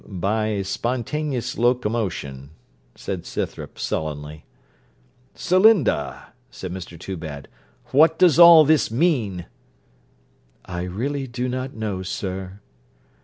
'By spontaneous locomotion,' said Scythrop, sullenly. 'Celinda,' said Mr Toobad, 'what does all this mean?' 'I really do not know, sir.'